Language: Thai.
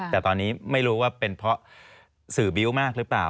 แต่ตอนนี้ไม่รู้ว่าเป็นเพราะสื่อบิ้วมากหรือเปล่า